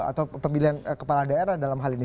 atau pemilihan kepala daerah dalam hal ini